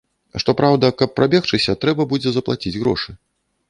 Што праўда, каб прабегчыся, трэба будзе заплаціць грошы.